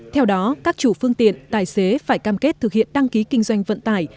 theo đó các chủ phương tiện tài xế phải cam kết thực hiện đăng ký kinh doanh vận tải